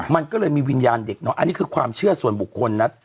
มันก็เลยมีวิญญาณเด็กเนาะอันนี้คือความเชื่อส่วนบุคคลนะ